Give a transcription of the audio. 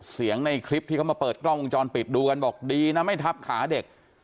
ในคลิปที่เขามาเปิดกล้องวงจรปิดดูกันบอกดีนะไม่ทับขาเด็ก